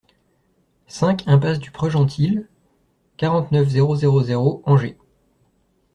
cinq iMPASSE DU PREGENTIL, quarante-neuf, zéro zéro zéro, Angers